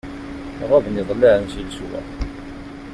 Ɣaben iḍellaɛen si leswaq.